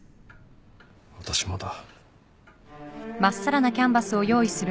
私もだ。